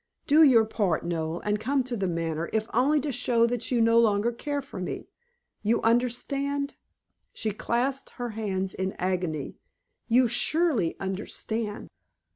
Do your part, Noel, and come to The Manor, if only to show that you no longer care for me. You understand" she clasped her hands in agony. "You surely understand."